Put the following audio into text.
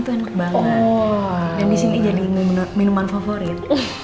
itu enak banget dan disini jadi minuman favorit